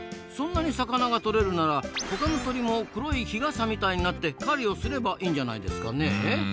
そんなに魚がとれるならほかの鳥も黒い日傘みたいになって狩りをすればいいんじゃないですかねえ？